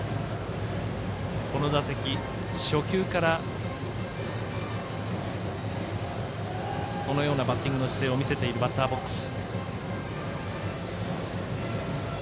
この打席、初球からそのようなバッティングの姿勢を見せているバッターボックス。